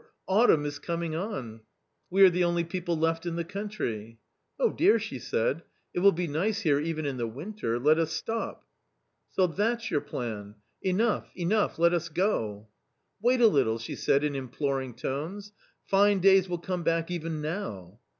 autumn is coming on; we are the only people left in the country." " Oh, dear !" she said, " it will be nice here even in the winter ; let us stop." " So that's your plan ! Enough, enough, let us go." c * Wait a little !" she said in imploring tones, " fine days will come back even now."